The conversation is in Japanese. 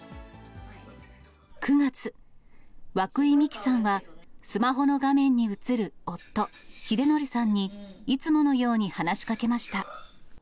９月、和久井美紀さんはスマホの画面に映る夫、秀典さんにいつものように話しかけました。